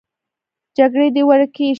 جګړې دې ورکې شي